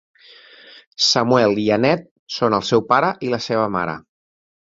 Samuel i Annette són el seu pare i la seva mare.